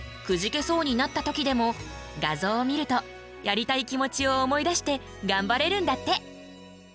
くじけそうになった時でも画像を見るとやりたい気持ちを思い出してがんばれるんだって。